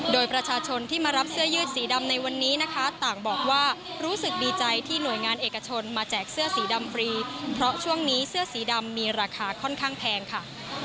โดยประชาชนที่มารับเสื้อยืดสีดำในวันนี้นะคะต่างบอกว่ารู้สึกดีใจที่หน่วยงานเอกชนมาแจกเสื้อสีดำฟรีเพราะช่วงนี้เสื้อสีดำมีราคาค่อนข้างแพงค่ะ